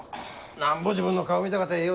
なんぼ自分の顔見たかてええ